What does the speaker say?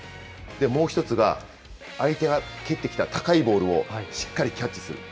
もう１つが、相手が蹴ってきた高いボールをしっかりキャッチする。